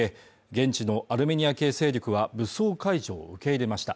現地のアルメニア系勢力は武装解除を受け入れました